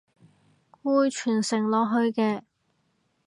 會傳承落去嘅！